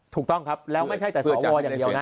ถูกต้องครับแล้วไม่ใช่แต่สวอย่างเดียวนะ